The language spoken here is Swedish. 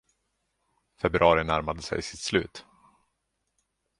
Februari närmade sig sitt slut.